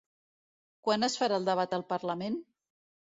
Quan es farà el debat al parlament?